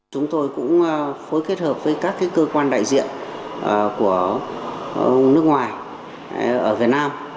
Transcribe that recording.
chúng tôi cũng phối kết hợp với các cơ quan đại diện của nước ngoài ở việt nam